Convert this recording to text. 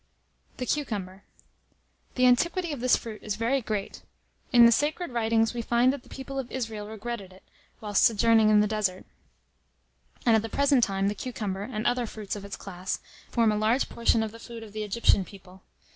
THE CUCUMBER. The antiquity of this fruit is very great. In the sacred writings we find that the people of Israel regretted it, whilst sojourning in the desert; and at the present time, the cucumber, and other fruits of its class, form a large portion of the food of the Egyptian people.